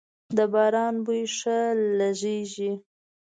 د باران بوی ښه لږیږی